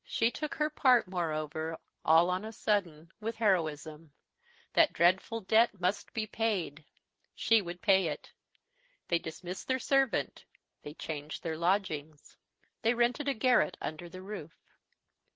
She took her part, moreover, all on a sudden, with heroism. That dreadful debt must be paid. She would pay it. They dismissed their servant; they changed their lodgings; they rented a garret under the roof.